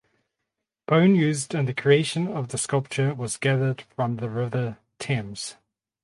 Bone used in the creation of the sculpture was gathered from the River Thames.